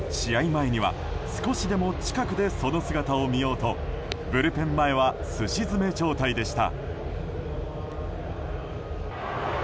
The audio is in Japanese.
前には、少しでも近くでその姿を見ようとブルペン前はすし詰め状態でした。